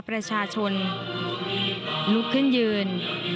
ประชาชนลุกขึ้นยืน